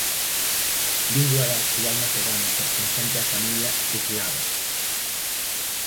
Lingua da actual Macedonia pertencente á familia eslava.